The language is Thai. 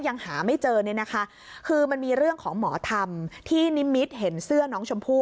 ยังหาไม่เจอเนี่ยนะคะคือมันมีเรื่องของหมอธรรมที่นิมิตเห็นเสื้อน้องชมพู่